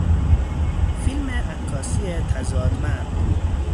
فیلم عکاسی تضادمند